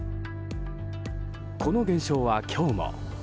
この現象は今日も。